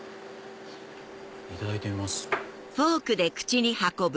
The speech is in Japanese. いただいてみます。